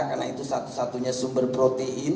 karena itu satu satunya sumber protein